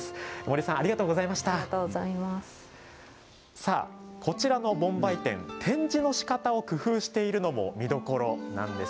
さあ、こちらの盆梅展展示のしかたを工夫しているのも見どころなんです。